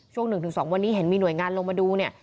ช่วง๑๒วันนี้เห็นมีหน่วยงานลงมาดูเนี่ย